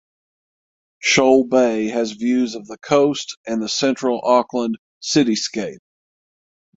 Shoal Bay has views of the coast and the central Auckland cityscape.